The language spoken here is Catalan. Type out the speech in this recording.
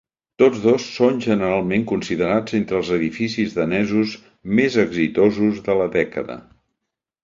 Tots dos són generalment considerats entre els edificis danesos més exitosos de la dècada.